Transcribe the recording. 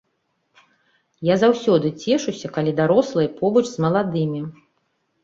Я заўсёды цешуся, калі дарослыя побач з маладымі.